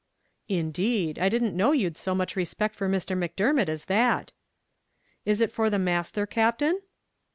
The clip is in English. "Indeed! I didn't know you'd so much respect for Mr. Macdermot as that." "Is it for the masthur, Captain?"